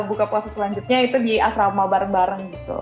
buka puasa selanjutnya itu di asrama bareng bareng gitu